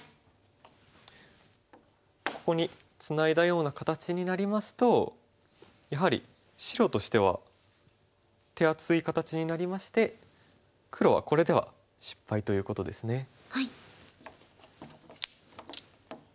ここにツナいだような形になりますとやはり白としては手厚い形になりまして黒はこれでは失敗ということですね。